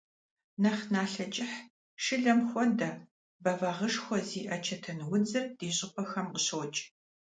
Нэхъ налъэ кӀыхь, шылэм хуэдэ, бэвагъышхуэ зиӀэ чэтэнудзыр ди щӀыпӀэхэм къыщокӀ.